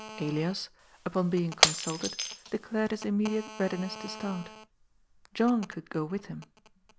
Elias, upon being consulted, declared his immediate readiness to start. John could go with him.